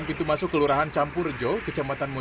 kita adakan perubahan tempat layanan ya